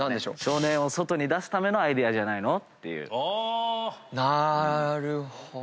少年を外に出すためのアイデアじゃないの？っていう。